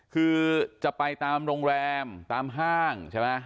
คือจะไปตามโรงแรมตามห้างใช่ไหม